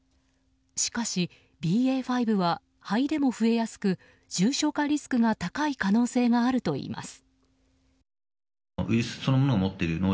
しかし、ＢＡ．５は肺でも増えやすく重症化リスクが高い可能性があるといいます。